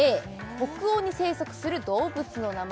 北欧に生息する動物の名前